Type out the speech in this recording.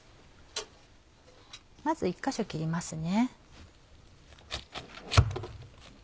まず１か所切りますね。